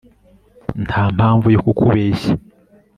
ntampamvu yo kukubeshya